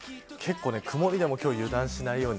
曇りでも今日は油断しないように。